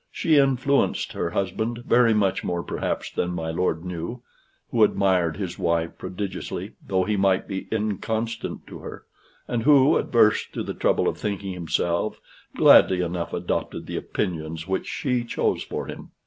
She influenced her husband, very much more perhaps than my lord knew, who admired his wife prodigiously though he might be inconstant to her, and who, adverse to the trouble of thinking himself, gladly enough adopted the opinions which she chose for him.